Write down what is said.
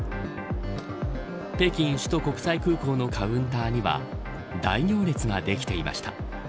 北京首都国際空港のカウンターには大行列ができていました。